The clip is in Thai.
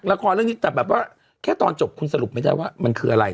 ละครเรื่องนี้แต่แบบว่าแค่ตอนจบคุณสรุปไม่ได้ว่ามันคืออะไร